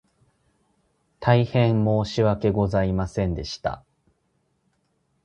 大変申し訳ございませんでした